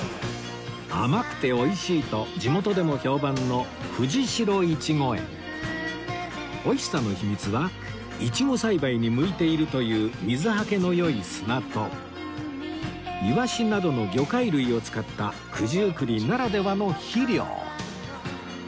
甘くて美味しいと地元でも評判の美味しさの秘密はイチゴ栽培に向いているという水はけの良い砂とイワシなどの魚介類を使った九十九里ならではの肥料